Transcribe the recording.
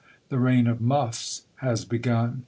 The reign of muffs has begun.